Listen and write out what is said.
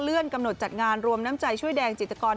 กำหนดจัดงานรวมน้ำใจช่วยแดงจิตกร